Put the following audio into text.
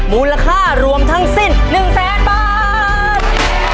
มูลค่ารวมทั้งสิ้น๑แสนบาท